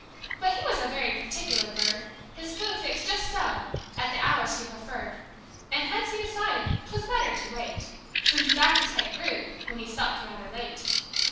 But he was a very particular bird: His food fixed "just so," at the hours he preferred. And hence he decided 'twas better to wait, Since his appetite grew when he supped rather late.